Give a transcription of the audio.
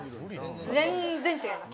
全然違います！